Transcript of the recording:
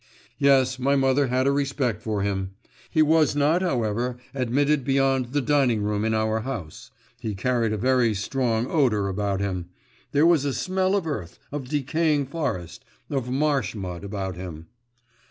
Yes, my mother had a respect for him … he was not, however, admitted beyond the dining room in our house. He carried a very strong odour about with him; there was a smell of the earth, of decaying forest, of marsh mud about him.